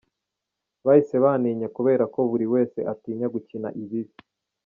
Bahise bantinya kubera ko buri wese atinya gukina ibibi.